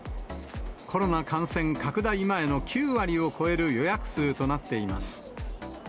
コロナ感染拡大前の９割を超える予約数となっています。